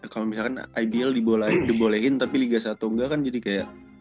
kalau misalkan ibl dibolehin tapi liga satu enggak kan jadi kayak